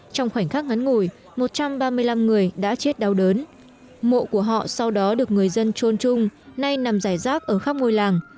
trong khoảnh khắc ngắn ngủi một trăm ba mươi năm người đã chết đau đớn mộ của họ sau đó được người dân trôn trung nay nằm giải rác ở khắp ngôi làng